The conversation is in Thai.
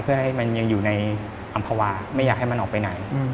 เพื่อให้มันยังอยู่ในอำภาวะไม่อยากให้มันออกไปไหน